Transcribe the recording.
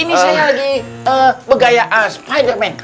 ini saya lagi bergaya spiderman